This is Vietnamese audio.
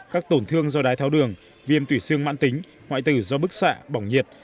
các tổn thương do đái tháo đường viêm tủy xương mãn tính hoại tử do bức xạ bỏng nhiệt